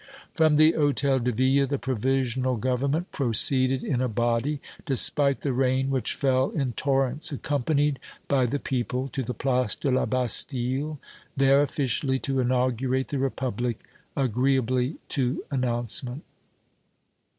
From the Hôtel de Ville, the Provisional Government proceeded in a body, despite the rain which fell in torrents, accompanied by the people, to the Place de la Bastille, there officially to inaugurate the Republic, agreeably to announcement.